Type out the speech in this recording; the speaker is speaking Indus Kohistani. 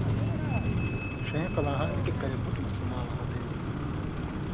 ݜېں قلاہہۡ اېک اېک کرے بُٹہۡ مُسلماواں ہتے ایل۔